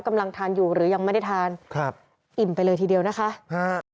กำลังทานอยู่หรือยังไม่ได้ทานครับอิ่มไปเลยทีเดียวนะคะฮะ